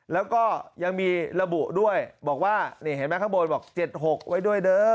แล้วก็ยังมีระบุด้วยบอกว่านี่เห็นไหมข้างบนบอก๗๖ไว้ด้วยเด้อ